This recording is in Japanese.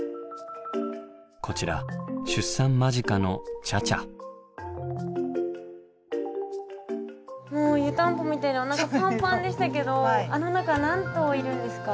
こちら出産間近のもう湯たんぽみたいでおなかがパンパンでしたけどあの中何頭いるんですか？